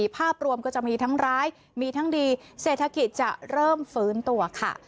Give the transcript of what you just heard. ภาพรวมก็จะมีทั้งร้ายมีทั้งดีเศรษฐกิจจะเริ่มฟื้นตัวค่ะ